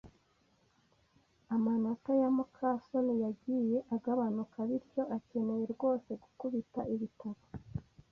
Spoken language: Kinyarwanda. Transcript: Amanota ya muka soni yagiye agabanuka, bityo akeneye rwose gukubita ibitabo.